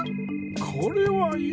これはいい！